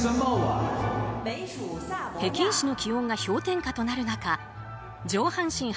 北京市の気温が氷点下となる中上半身